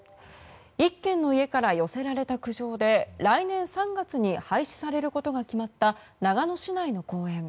１軒の家から寄せられた苦情で来年３月に廃止されることが決まった長野市内の公園。